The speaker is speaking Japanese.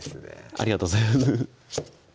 ありがとうございます